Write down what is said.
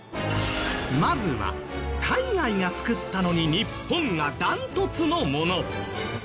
まずは海外が作ったのに日本がダントツのもの。